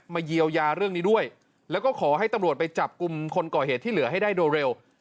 เยียวยาเรื่องนี้ด้วยแล้วก็ขอให้ตำรวจไปจับกลุ่มคนก่อเหตุที่เหลือให้ได้โดยเร็ว